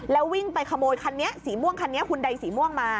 แล้ววิ่งไปขโมยคันนี้สีม่วงคันนี้คุณใดสีม่วงมา